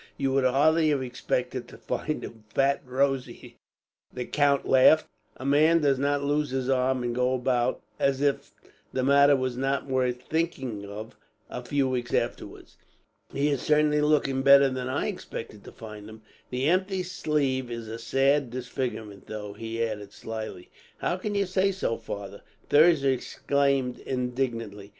"You would hardly have expected to find him fat and rosy," the count laughed. "A man does not lose his arm, and go about as if the matter was not worth thinking of, a few weeks afterwards. He is certainly looking better than I expected to find him. "That empty sleeve is a sad disfigurement, though," he added slyly. "How can you say so, father?" Thirza exclaimed indignantly.